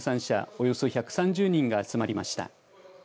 およそ１３０人が集まりました。